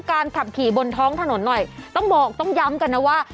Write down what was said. ขับขี่บนท้องถนนหน่อยต้องบอกต้องย้ำกันนะว่า